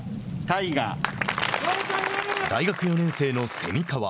大学４年生の蝉川。